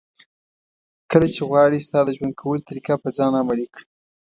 کله چې غواړي ستا د ژوند کولو طریقه په ځان عملي کړي.